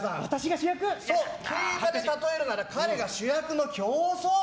競馬でたとえるなら彼が主役の競走馬。